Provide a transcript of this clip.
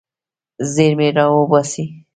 زیرمې راوباسئ.